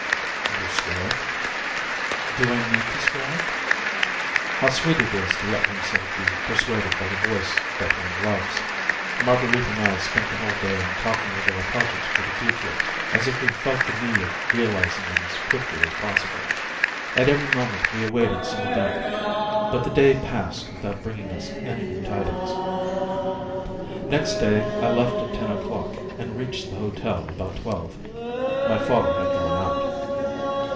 "You swear it?" "Do I need to swear it?" How sweet it is to let oneself be persuaded by the voice that one loves! Marguerite and I spent the whole day in talking over our projects for the future, as if we felt the need of realizing them as quickly as possible. At every moment we awaited some event, but the day passed without bringing us any new tidings. Next day I left at ten o'clock, and reached the hotel about twelve. My father had gone out.